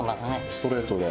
ストレートで。